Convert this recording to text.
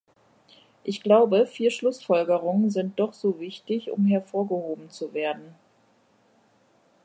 Ich glaube, vier Schlussfolgerungen sind doch so wichtig, um hervorgehoben zu werden.